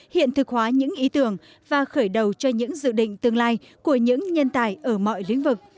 hiện thực hóa những ý tưởng và khởi đầu cho những dự định tương lai của những nhân tài ở mọi lĩnh vực